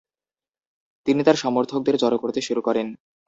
তিনি তার সমর্থকদের জড়ো করতে শুরু করেন।